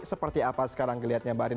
seperti apa sekarang dilihatnya mbak arin